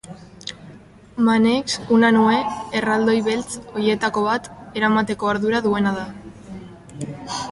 Manex Unanue erraldoi beltz horietako bat eramateko ardura duena da.